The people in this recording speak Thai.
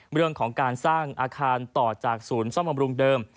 เรื่องของการสร้างอาคารต่อจากศูนย์ซ่อมบำรุงเดิม